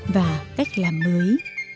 và cách làm mới